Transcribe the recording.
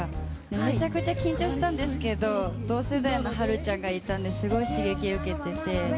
めちゃくちゃ緊張したんですけど同世代のはるちゃんがいたのですごく刺激を受けて。